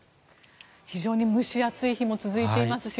非常に蒸し暑い日も続いていますし